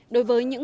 đối thoại thành